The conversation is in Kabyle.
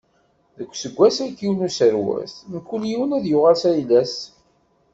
Deg useggas-agi n userwet, mkul yiwen ad yuɣal s ayla-s.